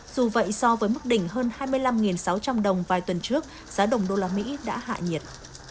dù vậy so với mức đỉnh hơn hai mươi năm sáu trăm linh đồng vài tuần trước giá đồng đô la mỹ đã hạ nhiệt